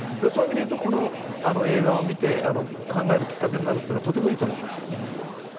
そういう意味で言うとこの映画を見て考えるきっかけになるのはとてもいいと思います。